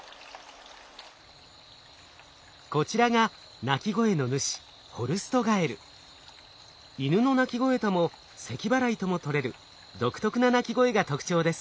こちらが鳴き声の主犬の鳴き声ともせきばらいともとれる独特な鳴き声が特徴です。